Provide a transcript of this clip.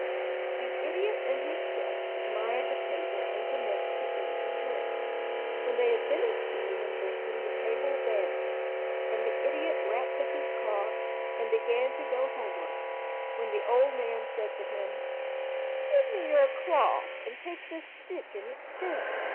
The idiot and his guest admired the table and commenced to eat and drink. When they had finished eating and drinking the table vanished, and the idiot wrapped up his cloth and began to go homewards, when the old man said to him— "Give me your cloth, and take this stick in its stead.